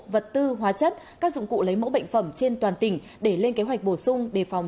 vật tư hóa chất các dụng cụ lấy mẫu bệnh phẩm trên toàn tỉnh để lên kế hoạch bổ sung đề phòng